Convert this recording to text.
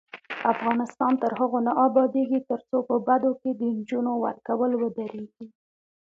افغانستان تر هغو نه ابادیږي، ترڅو په بدو کې د نجونو ورکول ودریږي.